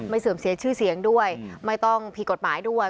เสื่อมเสียชื่อเสียงด้วยไม่ต้องผิดกฎหมายด้วย